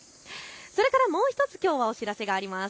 それからもう１つ、きょうはお知らせがあります。